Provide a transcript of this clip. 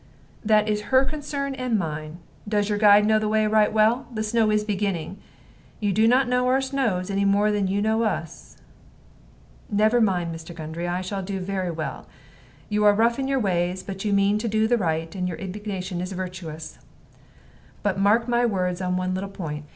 "That is her concern and mine. Does your guide know the way right well! The snow is beginning. You do not know our snows, any more than you know us." "Never mind, Mr. Gundry. I shall do very well. You are rough in your ways, but you mean to do the right; and your indignation is virtuous. But mark my words upon one little point.